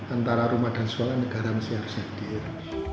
antara rumah dan sekolah negara masih harus sendiri